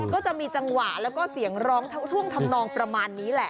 ก็จะมีจังหวะแล้วก็เสียงร้องช่วงทำนองประมาณนี้แหละ